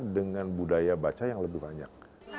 dengan budaya baca yang lebih banyak